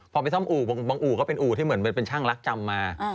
พอไปซ่อมอู่บางอู่ก็เป็นอู่ที่เหมือนเป็นช่างรักจำมา